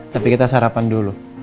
tapi kita sarapan dulu